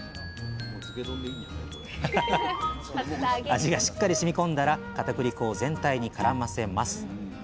味がしっかりしみ込んだらかたくり粉を全体にからませます。